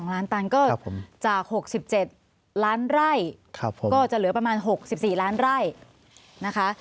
๒ล้านตันก็จาก๖๗ล้านไร่ก็จะเหลือประมาณ๖๔ล้านไร่นะคะ